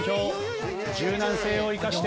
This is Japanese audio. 柔軟性を生かして。